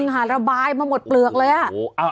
ระบายมาหมดเปลือกเลยอ่ะ